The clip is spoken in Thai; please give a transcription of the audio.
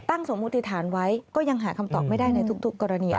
สมมุติฐานไว้ก็ยังหาคำตอบไม่ได้ในทุกกรณี